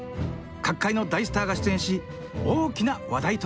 各界の大スターが出演し大きな話題となりました。